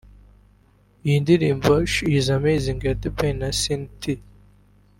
Iyi ndirimbo She Is Amazing ya The Ben na Sean Nitty